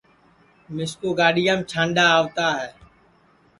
مِسکُو گاڈِِؔؔیام چھانڈؔ آوتی ہے